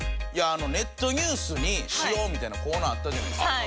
ネットニュースにしようみたいなコーナーあったじゃないですか。